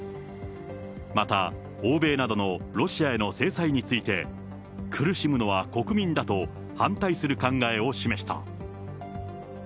また、欧米などのロシアへの制裁について、苦しむのは国民だと、反対する考えを示した。